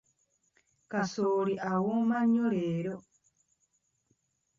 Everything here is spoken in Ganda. Kasooli awooma nnyo leero.